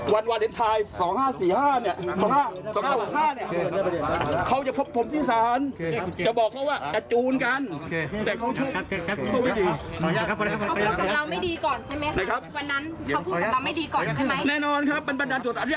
วันที่๔กุมภาคมวันวาเลนไทย๒๕๔๕